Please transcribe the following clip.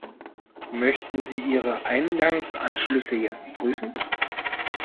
Möchten Sie Ihre Eingangsanschlüsse jetzt prüfen?